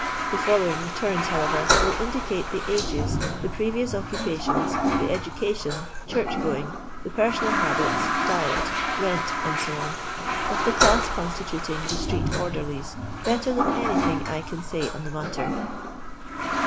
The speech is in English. The following returns, how ever, will indicate the ages, the previous occupa tions, the education, church going, the personal habits, diet, rent, Ac., of the dass constituting the street orderlies, better than anything I can say on the matter.